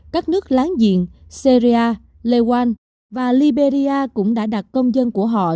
các nước láng giềng syria lewan và liberia cũng đã đặt công dân của họ